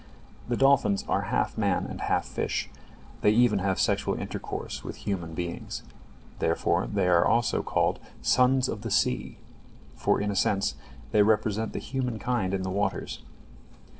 " The dolphins are half man and half fish; they even have sexual intercourse with human beings; therefore they are called also "sons of the sea," for in a sense they represent the human kind in the waters.